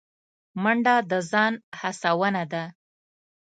منډه د ځان هڅونه ده